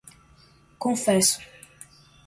confesso